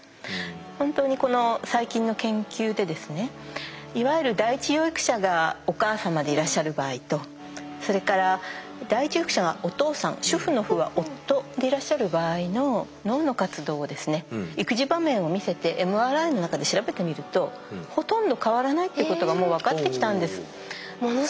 ほんとにこの最近の研究でですねいわゆる第一養育者がお母さまでいらっしゃる場合とそれから第一養育者がお父さん主夫の「ふ」は夫でいらっしゃる場合の脳の活動をですね育児場面を見せてＭＲＩの中で調べてみるとほとんど変わらないってことがもう分かってきたんです。